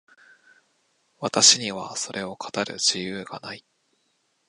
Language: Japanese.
私にはそれを語る自由がない。